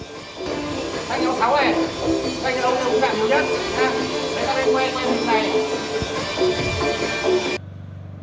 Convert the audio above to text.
các bạn hãy đăng kí cho kênh lalaschool để không bỏ lỡ những video hấp dẫn